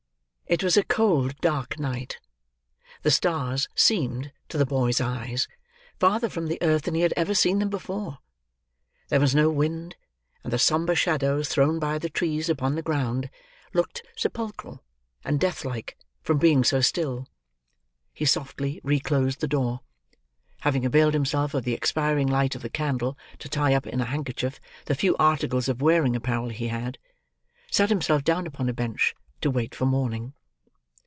It was a cold, dark night. The stars seemed, to the boy's eyes, farther from the earth than he had ever seen them before; there was no wind; and the sombre shadows thrown by the trees upon the ground, looked sepulchral and death like, from being so still. He softly reclosed the door. Having availed himself of the expiring light of the candle to tie up in a handkerchief the few articles of wearing apparel he had, sat himself down upon a bench, to wait for morning.